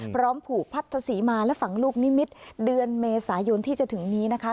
ผูกพัทธศรีมาและฝั่งลูกนิมิตรเดือนเมษายนที่จะถึงนี้นะคะ